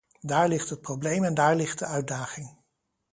Daar ligt het probleem en daar ligt de uitdaging.